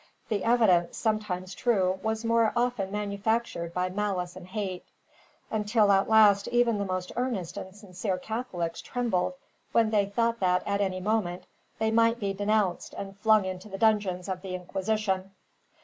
The evidence, sometimes true, was more often manufactured by malice and hate; until at last even the most earnest and sincere Catholics trembled when they thought that, at any moment, they might be denounced and flung into the dungeons of the Inquisition.